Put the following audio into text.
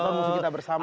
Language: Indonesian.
abang musuh kita bersama